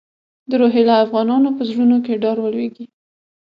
د روهیله افغانانو په زړونو کې ډار ولوېږي.